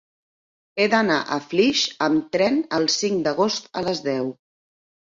He d'anar a Flix amb tren el cinc d'agost a les deu.